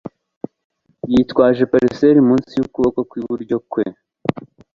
Yitwaje parcelle munsi yukuboko kwe kwi buryo.